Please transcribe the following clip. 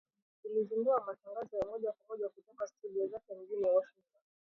ilizindua matangazo ya moja kwa moja kutoka studio zake mjini Washington